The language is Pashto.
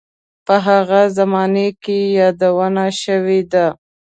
په هغه زمانه کې یې یادونه شوې ده.